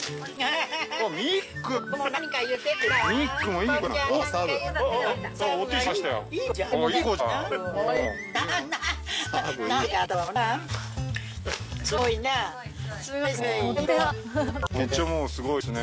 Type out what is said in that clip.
いい子ですね。